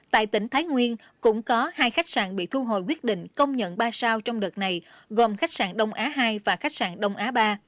tại tỉnh thái nguyên cũng có hai khách sạn bị thu hồi quyết định công nhận ba sao trong đợt này gồm khách sạn đông á hai và khách sạn đông á ba